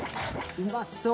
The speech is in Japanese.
うまそう。